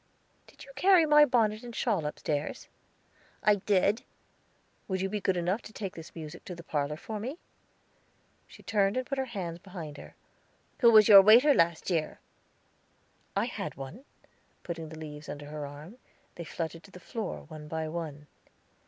"Did you carry my bonnet and shawl upstairs?" "I did." "Will you be good enough to take this music to the parlor for me?" She turned and put her hands behind her. "Who was your waiter last year?" "I had one," putting the leaves under her arm; they fluttered to the floor, one by one.